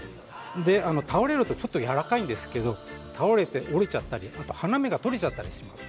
倒れると、ちょっと柔らかいんですけれど倒れて折れてしまったり花芽が取れてしまったりします。